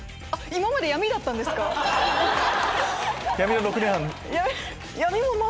今まで闇だったんですか⁉闇の６年半。